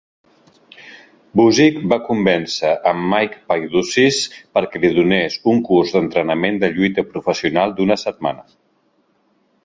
Busick va convèncer en Mike Paidousis per que li donés un curs d'entrenament de lluita professional d'una setmana.